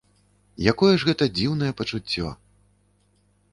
Якое ж гэта дзіўнае пачуццё!